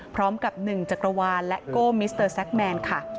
พร้อมกับ๑จักรวาลและโก้มิสเตอร์แซคแมนค่ะ